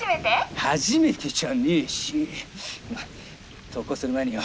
初めてじゃねえし。投稿する前によ